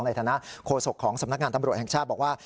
ในฐานะโฆษกของสำนักงานตำรวจแห่งชาติบอกว่า